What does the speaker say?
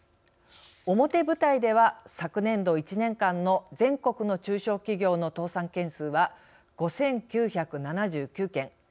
表舞台では、昨年度１年間の全国の中小企業の倒産件数は５９７９件。